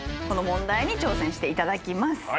この問題に挑戦していただきます。